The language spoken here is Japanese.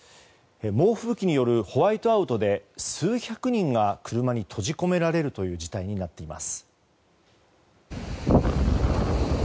猛吹雪によるホワイトアウトで数百人が車に閉じ込められるという事態になっています。